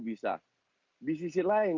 bisa di sisi lain